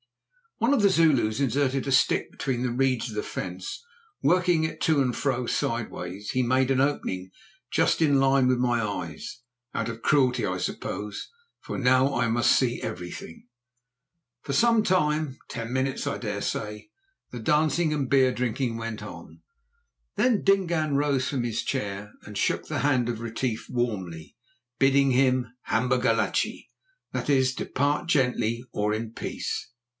One of the Zulus inserted a stick between the reeds of the fence. Working it to and fro sideways, he made an opening just in a line with my eyes—out of cruelty, I suppose, for now I must see everything. For some time—ten minutes, I dare say—the dancing and beer drinking went on. Then Dingaan rose from his chair and shook the hand of Retief warmly, bidding him "Hamba gachlé," that is, Depart gently, or in peace.